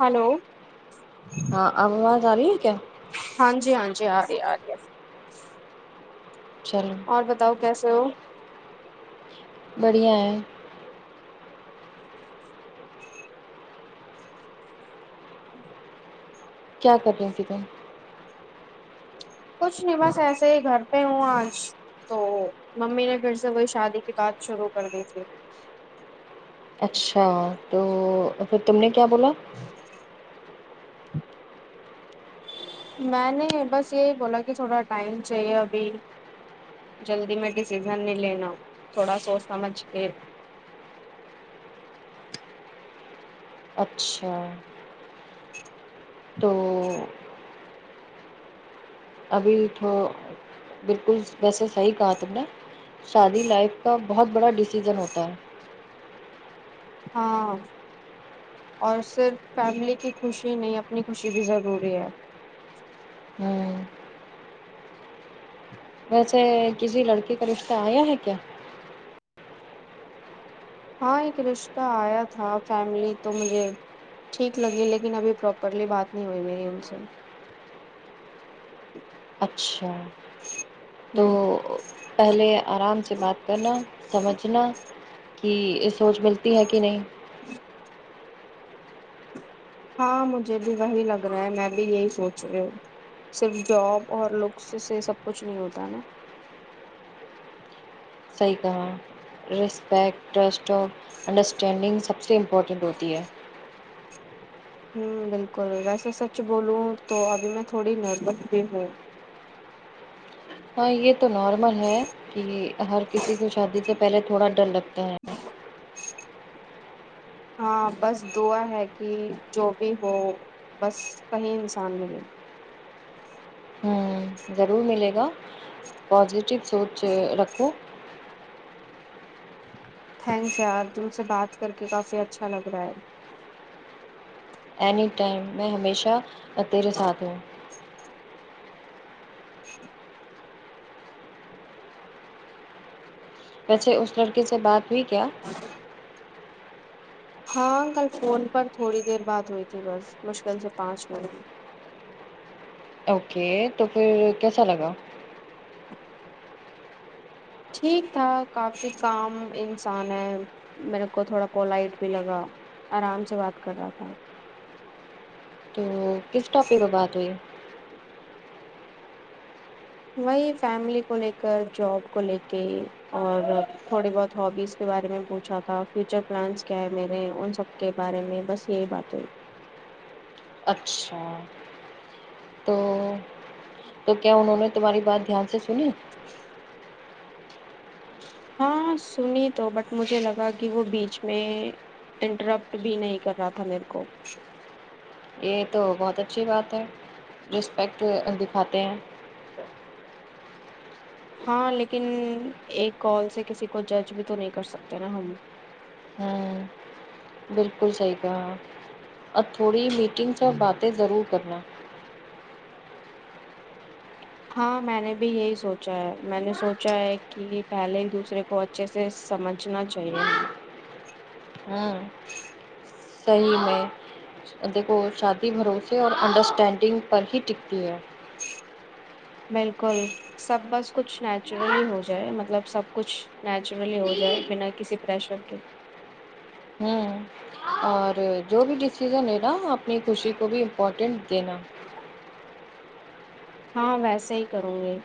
hello ہاں اب آواز آ رہی ہے کیا ہاں جی ہاں جی آ رہی آ رہی ہے چلو اور بتاؤ کیسے ہو بڑھیا ہے کیا کر رہی تھی بہن کچھ نہیں بس ایسے ہی گھر پہ ہوں آج تو ممی نے پھر سے وہی شادی کی بات شروع کر دی تھی اچھا تو پھر تم نے کیا بولا میں نے بس یہی بولا کہ تھوڑا ٹائم چاہیے ابھی جلدی میں ڈسیزن نہیں لینا تھوڑا سوچ سمجھ کے اچھا تو ابھی تو بالکل ویسے صحیح کہا تھا نے شادی لائف کا بہت بڑا ڈیسیزن ہوتا ہے ہاں اور صرف فیملی کی خوشی نہیں اپنی خوشی بھی ضروری ہے ہوں ویسے کسی لڑکے کا رشتہ آیا ہے کیا ہاں ایک رشتہ آیا تھا فیملی تو مجھے ٹھیک لگے لگی لیکن ابھی پراپرلی بات نہیں ہوئی میری ان سے اچھا تو ہوں پہلے آرام سے بات کرنا سمجھنا کہ اس سوچ ملتی ہے کہ نہیں ہاں مجھے بھی وہی لگ رہا ہے میں بھی یہی سوچ رہی ہوں صرف جاب اور لکس سے سب کچھ نہیں ہوتا ہے نا صحیح کہا رسپیکٹ ٹرسٹ اور انڈرسٹینڈنگ سب سے امپورٹنٹ ہوتی ہے ہوں بالکل ویسے سچ بولوں تو ابھی میں تھوڑی نروس بھی ہوں ہاں یہ تو نارمل ہے کہ ہر کسی کو شادی سے پہلے تھوڑا ڈر لگتا ہے ہاں بس دعا ہے کہ جو بھی ہو بس صحیح انسان ملیں ہوں ضرور ملے گا پازیٹیو سوچ رکھو تھینکس یار تم سے بات کر کے کافی اچھا لگ رہا ہے اینی ٹائم میں ہمیشہ تیرے ساتھ ہوں ویسے اس لڑکے سے بات ہوئی کیا ہاں کل فون پر تھوڑی دیر بات ہوئی تھی بس مشکل سے پانچ منٹ اوکے تو پھر کیسا لگا ٹھیک تھا کافی کام انسان ہے میرے کو تھوڑا پولائٹ بھی لگا آرام سے بات کر رہا تھا تو کس ٹاپک پر بات ہوئی وہی فیملی کو لے کر جاب کو لے کے اور تھوڑی بہت ہاوبیز کے بارے میں پوچھا رہا تھا فیوچر پلانس کیا ہے میرے ان سب کے بارے میں بس یہی بات ہوئی اچھا تو تو کیا انہوں نے تمہاری بات دھیان سے سنی ہاں سنی تو بٹ مجھے لگا کہ وہ بیچ میں انٹرپٹ بھی نہیں کر رہا تھا میرے کو یہ تو بہت اچھی بات ہے رسپیکٹ دکھاتے ہیں ہاں لیکن ایک کال سے کسی کو جج بھی تو نہیں کر سکتے نا ہم ہوں بالکل صحیح کہا اب تھوڑی میٹنگ سے باتیں ضرور کرنا ہاں میں نے بھی یہی سوچا ہے میں نے سوچا ہے کی پہلے دوسرے وہ اچھے سے سمجھنا چاہیے ہمیں ہاں صحیح میں دیکھو شادی بھروسے اور انڈرسٹینڈنگ پر ہی ٹکتی ہے بالکل سب بس کچھ نیچرلی ہو جائے مطلب سب کچھ نیچرلی ہو جائے بنا کسی پریشر کے ہوں اور جو بھی ڈسیزن ہے نا اپنی خوشی کو بھی امپورٹنٹ دینا [inaudible] ہاں ویسے ہی کروں گی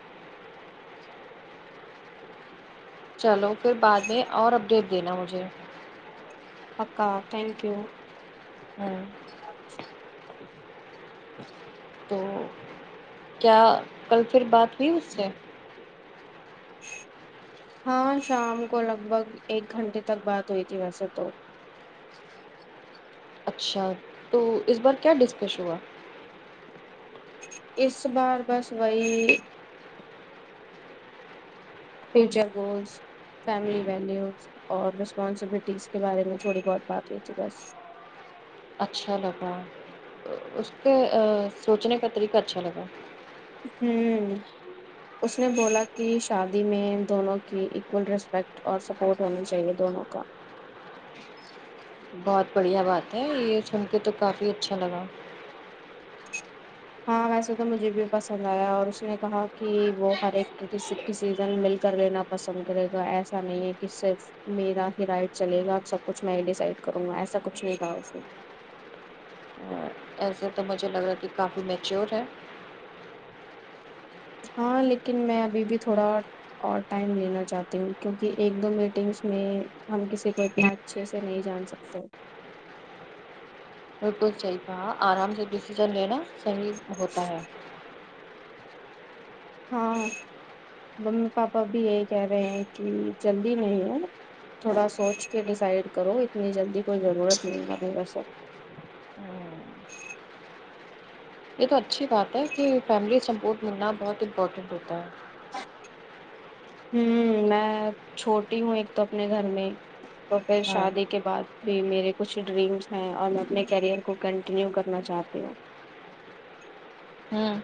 چلو پھر بعد میں اور اپڈیٹ دینا مجھے پکا تھانک یو ہوں تو کیا کل پھر بات ہوئی اس سے ہاں شام کو لگ بھگ ایک گھنٹے تک بات ہوئی تھی ویسے تو اچھا تو اس بار کیا ڈسکش ہوا اس بار بس وہی فیوچر گولس فیملی ویلیوز اور رسپانسبلٹیز کے بارے میں تھوڑی بہت بات ہوئی تھی بس اچھا لگا اس کے آ سوچنے کا طریقہ اچھا لگا ہوں اس نے بولا کی شادی میں دونوں کی ایکول ریسپیکٹ اور سپوٹ ہونا چاہیے دونوں کا [inaudible] بہت بڑھیا بات ہے یہ سن کے تو کافی اچھا لگا ہاں ویسے تو مجھے بھی پسند آیا اور اس نے کہا کی وہ ہر ایک کہ جیسے کسی دن مل کر لینا پسند کرے گا ایسا نہیں ہے کی صرف میرا ہی رائٹ چلے گا سب کچھ میں ڈیسائڈ کروں گا ایسا کچھ نہیں کہا اس نے ایسے تو مجھے لگا کے کافی میچور ہے ہاں لیکن میں ابھی بھی تھوڑا اور ٹائم لینا چاہتی ہوں کیونکہ ایک دو میٹنگس میں ہم کسی کو اتنا اچھے سے نہیں جان سکتے بالکل صحیح کہا آرام سے ڈیسیشن لینا صحیح ہوتا ہے ہاں ممی پاپا بھی یہی کہہ رہے ہیں کی جلدی نہیں ہے نا تھوڑا سوچ کے ڈیسائڈ کرو اتنی جلدی کوئی ضرورت نہیں ہے ابھی ایسا ہوں، یہ تو اچھی بات ہے کہ فیملی سپورٹ ملنا بہت امپورٹنٹ ہوتا ہے ہوں میں چھوٹی ہوں ایک تو اپنے گھر میں تو پھر ہاں شادی کے بعد بھی میرے کچھ ڈریمس ہیں اور میں اپنے کیریئر کو کنٹینیو کرنا چاہتی ہوں ہوں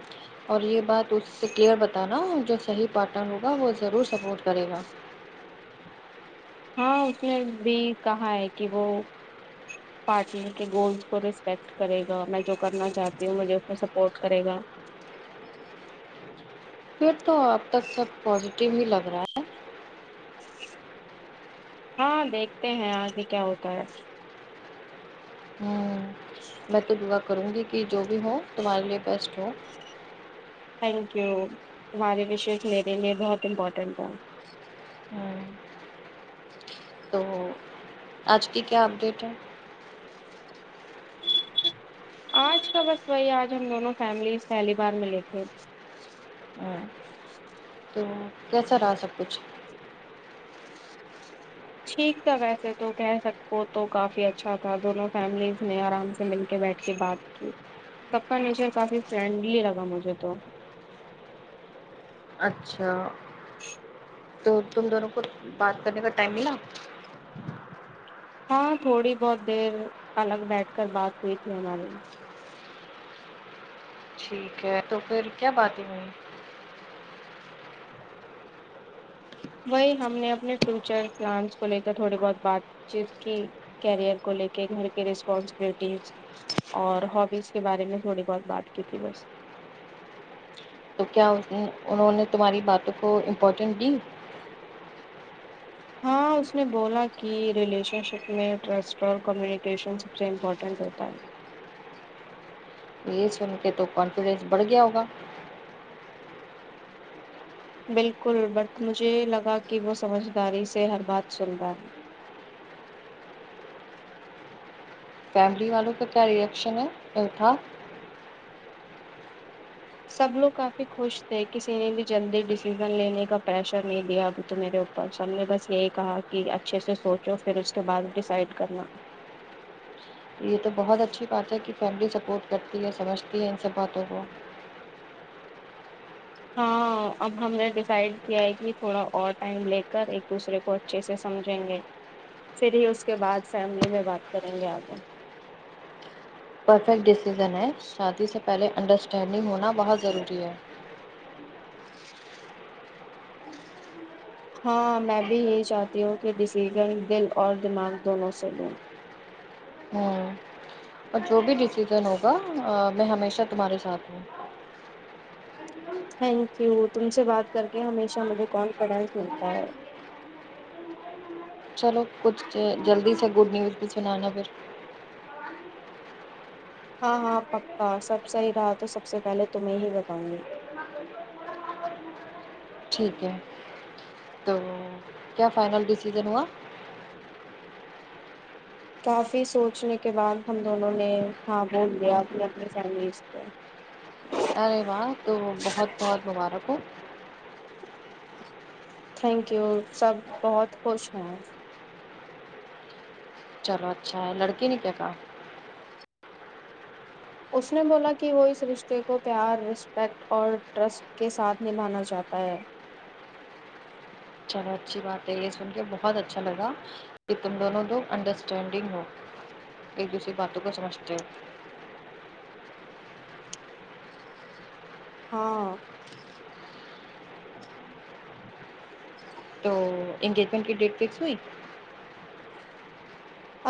اور یہ بات اس سے کلیئر بتانا جو صحیح پاٹنر ہوگا وہ ضرور سپورٹ کرے گا ہاں اس نے بھی کہا ہے کہ وہ پاٹنر کے گولس کو رسپکٹ کرے گا میں جو کرنا چاہتی ہوں مجھے اس میں سپورٹ کرے گا پھر تو اب تک سب پوزیٹیو ہی لگ رہا ہے ہاں دیکھتے ہیں آگے کیا ہوتا ہے ہوں جی میں تو دعا کروں گی کہ جو بھی ہو تمہارے لیے بیسٹ ہو تھینک یو تمہاریے وشیز میرے لیے بہت امپورٹنٹ ہے تو آج کی کیا اپڈیٹ ہے آج کا بس وہی آج ہم دونوں فیملیز پہلی بار ملے تھے ہاں تو کیسا رہا سب کچھ ٹھیک تھا ویسے تو کہہ سکو تو کافی اچھا تھا دونوں فیملیز نے آرام سے مل کے بیٹھ کے بات سب کا نیچر کافی فرینڈلی لگا مجھے تو اچھا تو تم دونوں کو بات کرنے کا ٹائم ملا ہاں تھوڑی بہت دیر الگ بیٹھ کر بات ہوئی تھی ہماری ٹھیک ہے تو پھر کیا باتیں ہوئی وہی ہم نے اپنے فیوچر پلانس کو لے کر تھوڑی بہت بات چیت کی کیریئر کو لے کے گھر کے رسپانسبلٹیز اور ہابیز کے بارے میں تھوڑی بہت بات کی تھی بس تو کیا انہوں نے تمہاری باتوں کو امپورٹینٹ دی ہاں اس نے بولا کی ریلیشن شپ میں ٹرسٹ اور کمیونیکیشن سب سے امپورٹنٹ ہوتا ہے یے سن کے تو کانفیڈینس بڑھ گیا ہوگا بالکل بٹ مجھے لگا کی وہ سمجھداری سے ہر بات سن تا ہے فیملی والوں کا کیا ریئیکشن ہے تھا سب لوگ کافی خوش تھے کسی نے بھی جلدی ڈیسیزن لینے کا پریشر نہیں دیا ابھی تو میرے اوپر پر سب نے بس یہی کہا کی اچھے سے سوچو پھر اس کے بعد ڈیسائڈ کرنا یے تو بہت اچھی بات ہے کی فیملی سپورٹ کرتی ہے سمجھتی ہے ان سب باتوں کو ہاں اب ہم نے ڈیسائڈ کیا ہے کی تھوڑا اور ٹائم لے کر ایک دوسرے کو اچھے سے سمجھیں گے پھر ہی اس کے بعد فیملی میں بات کریں گے آگے پرفیکٹ ڈسیزن ہے شادی سے پہلے انڈرسٹینڈنگ ہونا بہت ضروری ہے ہاں میں بھی یہی چاہتی ہوں کی ڈسیزن دل اور دماغ دونوں سے لوں ہمم اور جو بھی ڈسیزن ہوگا میں ہمیشہ تمہارے ساتھ ہوں تھینک یو تم سے بات کر کے ہمیشہ مجھے کانفیڈینس ملتا ہے چلو کچھ جلدی سے گڈ نیوز بھی سنانا پھر ہاں ہاں پکا سب صحیح رہا تو سب سے پہلے تمیں ہی بتاؤں گی [inaudible] ٹھیک ہے تو کیا فائنل ڈسیژن ہوا کافی سوچنے کے بعد ہم دونوں نے ہاں بول دیا اپنے اپنی فیملیز کو ارے واہ تو بہت بہت مبارک ہو تھینک یو سب بہت خوش ہیں چلو اچھا ہے لڑکے نے کیا کہا اس نے بولا کی وہ اس رشتے کو پیار رسپیکٹ اور ٹرسٹ کے ساتھ نبھانا چاہتا ہے چلو اچھی بات ہے یے سن کے بہت اچھا لگا کی تم دونوں دو انڈرسٹینڈنگ ہو ایک دوسری باتوں کو سمجھتے ہو ہاں تو انگیجمنٹ کی ڈیٹ فکس ہوئی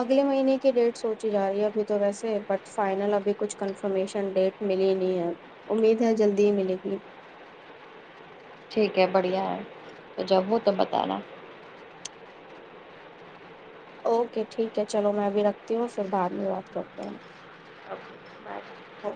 اگلے مہینے کی ڈیٹ سوچی جا رہی ہے ابھی تو ویسے بٹ فائنل ابھی کچھ کنفرمیشن ڈیٹ ملی نہیں ہے امید ہے جلدی ہی ملے گی ٹھیک ہے بڑھیا ہے تو جب ہو تب بتانا اوکے ٹھیک ہے چلو میں ابھی رکھتی ہوں پھر بعد میں بات کرتے ہے اب [inaudible] ہاں